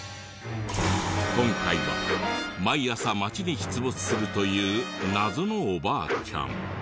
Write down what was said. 今回は毎朝町に出没するという謎のおばあちゃん。